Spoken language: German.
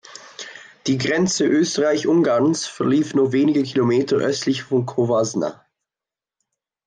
Die Grenze Österreich-Ungarns verlief nur wenige Kilometer östlich von Covasna.